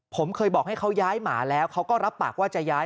ผมเคยบอกให้เขาย้ายหมาแล้วเขาก็รับปากว่าจะย้าย